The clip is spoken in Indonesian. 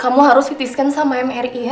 kamu harus fitiskan sama yang mary ya